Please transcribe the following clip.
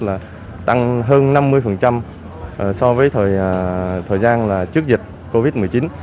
là tăng hơn năm mươi so với thời gian là trước dịch covid một mươi chín